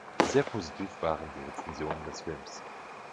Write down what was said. Sehr positiv waren die Rezensionen des Films.